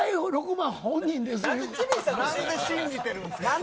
なんで信じてるんですか。